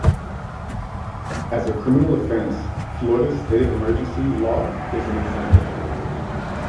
As a criminal offense, Florida's "state of emergency" law is an example.